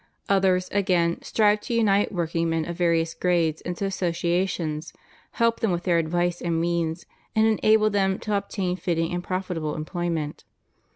Others, again, strive to unite working men of various grades into associations, help them with their advice and means, and enable them to obtain fitting and profitable employment.